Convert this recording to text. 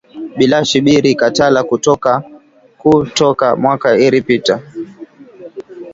Bilashi biri katala ku toka mwaka iri pita